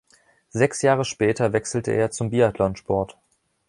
Sechs Jahre später wechselte er zum Biathlonsport.